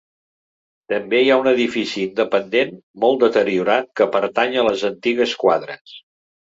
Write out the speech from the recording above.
També hi ha un edifici independent, molt deteriorat, que pertany a les antigues quadres.